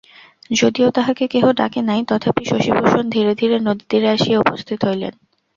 যদিও তাঁহাকে কেহ ডাকে নাই তথাপি শশিভূষণ ধীরে ধীরে নদীতীরে আসিয়া উপস্থিত হইলেন।